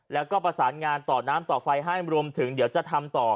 แล้วก็ประสานงานต่อน้ำต่อไฟให้รวมถึงเดี๋ยวจะทำต่อ